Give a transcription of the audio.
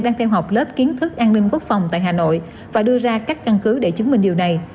đang theo học lớp kiến thức an ninh quốc phòng tại hà nội và đưa ra các căn cứ để chứng minh điều này